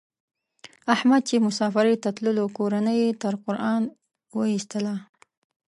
احمد چې مسافرۍ ته تللو کورنۍ یې تر قران و ایستلا.